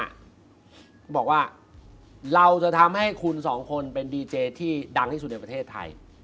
บอกว่าเราจะทำให้คุณสองคนเป็นดีเจที่ดังที่สุดในประเทศไทย